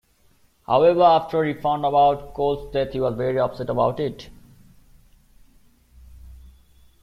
However, after he found out about Kole's death, he was very upset about it.